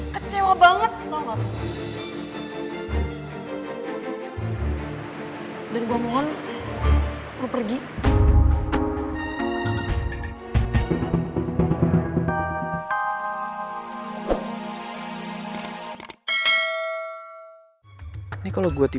kecewa banget tau gak